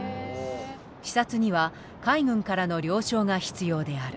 視察には海軍からの了承が必要である。